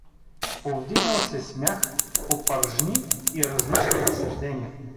Повдигнал се смях, попържни и различни разсъждения.